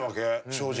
正直。